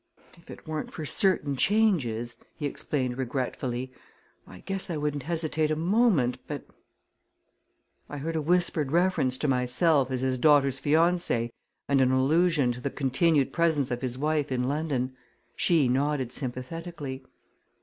"If it weren't for certain changes," he explained regretfully, "I guess I wouldn't hesitate a moment. But " I heard a whispered reference to myself as his daughter's fiancé and an allusion to the continued presence of his wife in London. She nodded sympathetically.